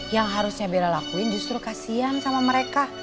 yang harusnya bella lakuin justru kasian sama mereka